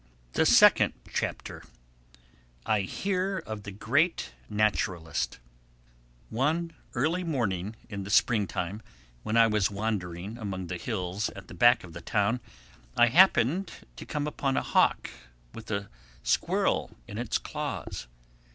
THE SECOND CHAPTER I HEAR OF THE GREAT NATURALIST ONE early morning in the Springtime, when I was wandering among the hills at the back of the town, I happened to come upon a hawk with a squirrel in its claws.